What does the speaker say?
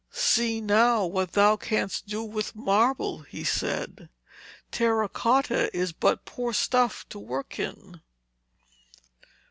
'See, now, what thou canst do with marble,' he said. 'Terra cotta is but poor stuff to work in.'